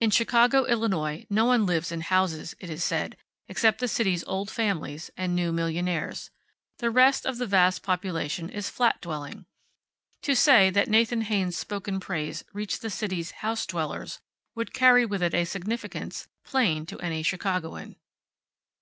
In Chicago, Illinois, no one lives in houses, it is said, except the city's old families, and new millionaires. The rest of the vast population is flat dwelling. To say that Nathan Haynes' spoken praise reached the city's house dwellers would carry with it a significance plain to any Chicagoan.